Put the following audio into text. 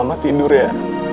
mama tidur ya